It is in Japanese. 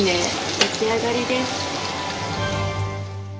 出来上がりです。